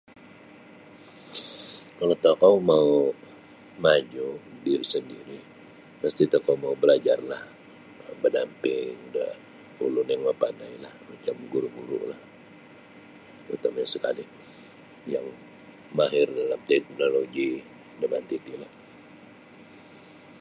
Kalau tokou mau maju diri sandiri masti tokou mau balajarlah badamping da ulun yang mapandai lah macam guru-guru lah tarutamanya sekali yang mahir dalam teknologi da manti ti lah.